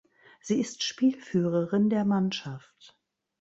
Sie ist Spielführerin der Mannschaft.